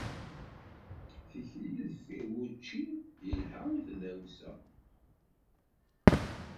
Tikli deffir wučči yelha i tdawsa.